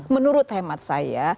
menurut hemat saya